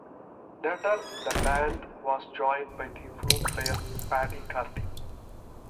Later the band was joined by the flute player Paddy Carty.